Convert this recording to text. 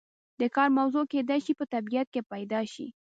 د کار موضوع کیدای شي په طبیعت کې پیدا شي.